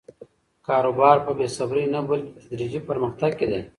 کاروبار په بې صبري نه، بلکې په تدریجي پرمختګ کې دی.